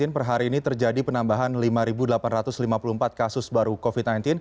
per hari ini terjadi penambahan lima delapan ratus lima puluh empat kasus baru covid sembilan belas